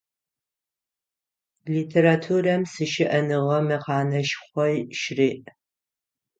Литературэм сищыӏэныгъэ мэхьанэшхо щыриӏ.